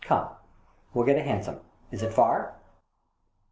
Come, we'll get a hansom. Is it far?